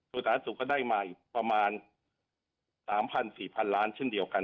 สุดท้ายสู่ก็ได้มาอีกประมาณ๓๐๐๐๔๐๐๐ล้านเช่นเดียวกัน